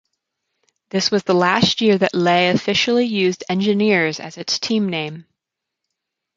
This was the last year that Lehigh officially used "Engineers" as its team name.